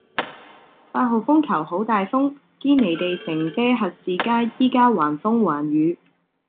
八號風球好大風，堅尼地城爹核士街依家橫風橫雨